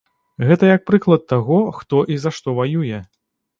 Гэта як прыклад таго, хто і за што ваюе.